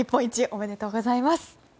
おめでとうございます！